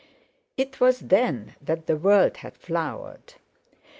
It was then that the world had flowered.